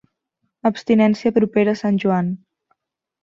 Abstinència propera a Sant Joan.